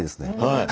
はい。